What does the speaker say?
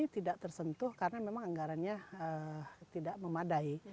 tidak tersentuh karena memang anggarannya tidak memadai